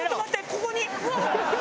ここに。